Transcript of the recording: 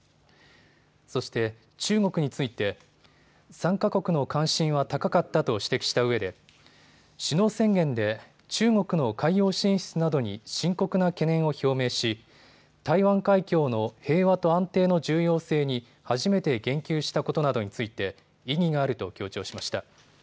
そして、中国について参加国の関心は高かったと指摘したうえで首脳宣言で中国の海洋進出などに深刻な懸念を表明し台湾海峡の平和と安定の重要性に初めて言及したことなどについて意義があると強調しました。